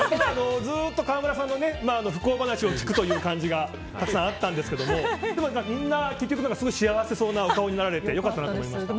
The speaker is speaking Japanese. ずっと川村さんの不幸話を聞くという感じがたくさんあったんですけどもみんな結局、すごい幸せそうなお顔になられて良かったなと思いました。